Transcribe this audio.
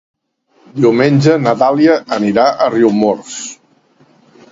Diumenge na Dàlia anirà a Riumors.